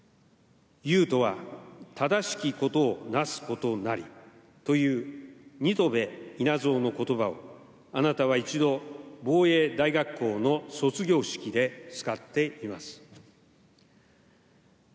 勇とはただしきことをなすことなり。という新渡戸稲造のことばを、あなたは一度、防衛大学校の卒業式で使っています。